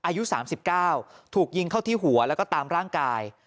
อายุ๓๙ถูกยิงเข้าที่หัวแล้วก็ตามร่างกาย